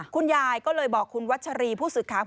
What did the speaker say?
คุณยายก็เลยบอกคุณวัชรีผู้สื่อข่าว